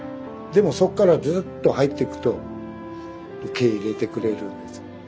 でもそこからずっと入っていくと受け入れてくれるんです。